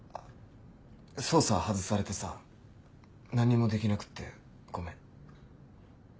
捜査外されてさ何もできなくてごめん。